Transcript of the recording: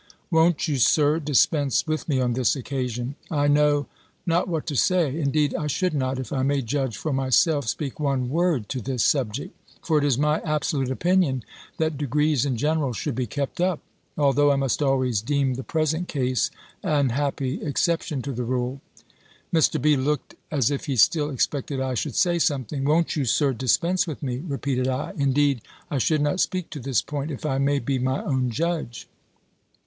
"Won't you. Sir, dispense with me on this occasion? I know, not what to say. Indeed I should not, if I may judge for myself, speak one word to this subject. For it is my absolute opinion, that degrees in general should be kept up; although I must always deem the present case an happy exception to the rule." Mr. B. looked as if he still expected I should say something. "Won't you, Sir, dispense with me?" repeated I. "Indeed I should not speak to this point, if I may be my own judge."